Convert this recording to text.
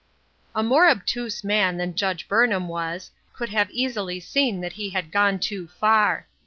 A MORE obtuse man than Judge Burnham was, could have easily seen that he had gone too far.